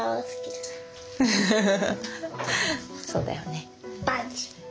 そうだよね。